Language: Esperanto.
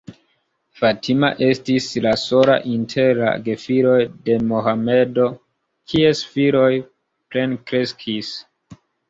Fatima estis la sola inter la gefiloj de Mohamedo, kies filoj plenkreskis.